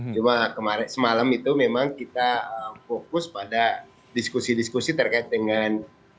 cuma semalam itu memang kita fokus pada diskusi diskusi terkait dengan